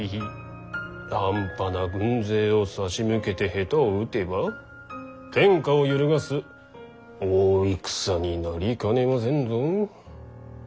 半端な軍勢を差し向けて下手を打てば天下を揺るがす大戦になりかねませんぞ。